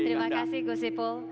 terima kasih gusipu